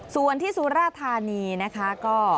ส่วนที่สุราธานีนะคะก็